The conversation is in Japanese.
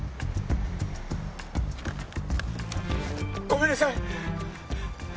ごめんなさい！